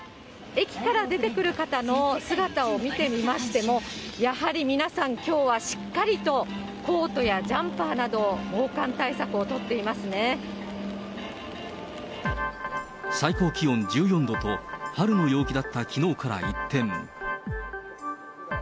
駅から出てくる方の姿を見てみましても、やはり皆さん、きょうはしっかりとコートやジャンパーなど、防寒対策を取ってい最高気温１４度と、春の陽気だったきのうから一転。